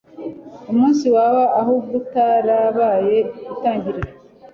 umunsi waba ahubwo utarabaye itangiriro